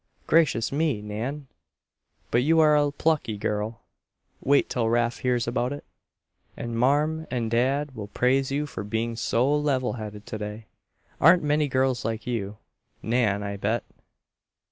"Gracious me, Nan! But you are a plucky girl. Wait till Rafe hears about it. And marm and dad will praise you for being so level headed today. Aren't many girls like you, Nan, I bet!"